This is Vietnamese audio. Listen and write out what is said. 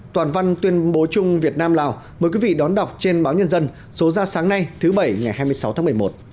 toàn văn tuyên bố chung việt nam lào mời quý vị đón đọc trên báo nhân dân số ra sáng nay thứ bảy ngày hai mươi sáu tháng một mươi một